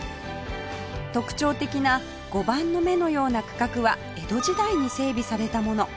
特徴的な碁盤の目のような区画は江戸時代に整備されたもの